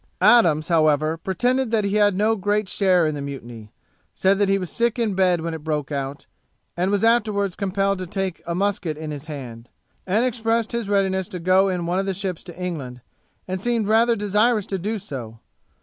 Adams, however, pretended that he had no great share in the mutiny: said that he was sick in bed when it broke out, and was afterwards compelled to take a musket in his hand; and expressed his readiness to go in one of the ships to England, and seemed rather desirous to do so.